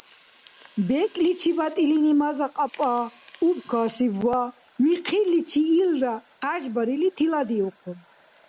БекӀличибад илини маза-кьапӀа убкасиб ва, михъирличи илра гъяжбарили, тиладиухъун